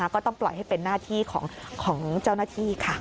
ก็ต้องปล่อยให้เป็นหน้าที่ของเจ้าหน้าที่ค่ะ